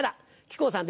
木久扇さん。